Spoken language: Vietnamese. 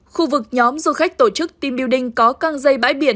khu vực nhóm du khách tổ chức team building có căng dây bãi biển